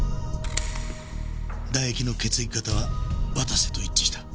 唾液の血液型は綿瀬と一致した。